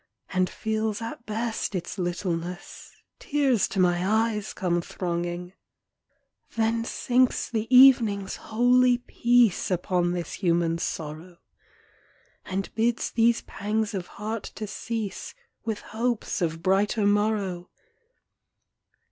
And feels at best its littleness. Tears to my eyes come thronging. GERMAN SONG. 109 Then sinks the evening's holy peace Upon this human sorrow; And bids these pangs of heart to cease With hopes of brighter morrow